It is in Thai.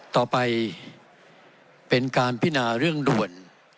ต่อไปเป็นการพินาเรื่องด่วน